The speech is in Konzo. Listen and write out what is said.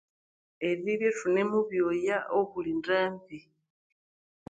Eribya ithunemubyoya obuli ndambi